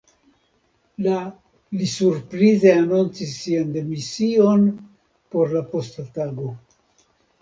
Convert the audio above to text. La li surprize anoncis sian demision por la posta tago.